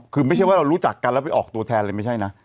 คือไม่ใช่ว่าเรารู้จักกันแล้วไปออกตัวแทนเลยไม่ใช่นะ